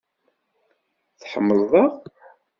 Tḥemmleḍ-aɣ.